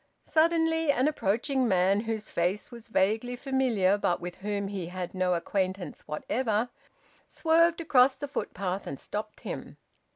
Suddenly an approaching man whose face was vaguely familiar but with whom he had no acquaintance whatever, swerved across the footpath and stopped him.